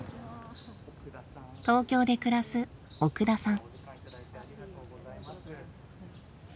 東京で暮らす奥田さん。